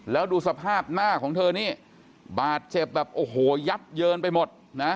แล้วดูสภาพหน้าของเธอนี่บาดเจ็บแบบโอ้โหยับเยินไปหมดนะ